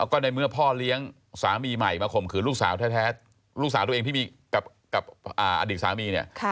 ก็ในเมื่อพ่อเลี้ยงสามีใหม่มาข่มขืนลูกสาวแท้ลูกสาวตัวเองที่มีกับอดีตสามีเนี่ย